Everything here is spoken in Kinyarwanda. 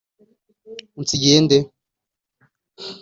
Unsigiye nde